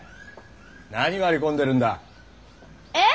なに割り込んでるんだ？え？